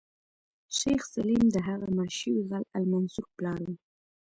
شیخ سلیم د هغه مړ شوي غل المنصور پلار و.